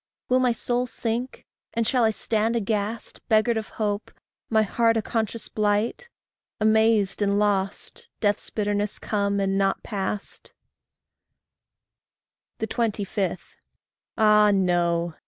Will my soul sink, and shall I stand aghast, Beggared of hope, my heart a conscious blight, Amazed and lost death's bitterness come and not passed? 25. Ah, no!